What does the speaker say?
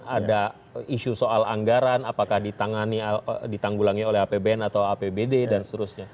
ada isu soal anggaran apakah ditanggulangi oleh apbn atau apbd dan seterusnya